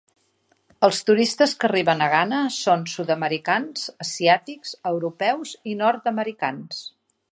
Els turistes que arriben a Ghana són sud-americans, asiàtics, europeus i nord-americans.